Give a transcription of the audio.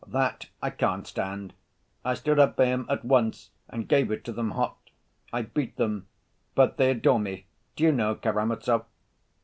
That I can't stand. I stood up for him at once, and gave it to them hot. I beat them, but they adore me, do you know, Karamazov?"